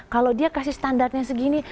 kalau dia kasih standarnya segini